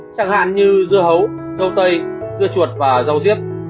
chẳng hạn như dưa hấu dâu tây dưa chuột và dâu diếp